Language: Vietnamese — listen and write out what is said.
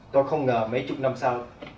tôi không ngờ mấy chút năm sau